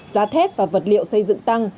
giá thép và vật liệu xây dựng tăng